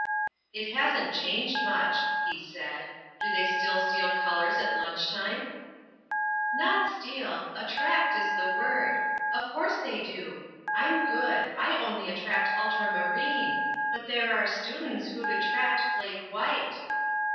"It hasn't changed much," he said. "Do they still steal colours at lunch time?" "Not steal. Attract is the word. Of course they do. I'm good—I only attract ultramarine; but there are students who'd attract flake white."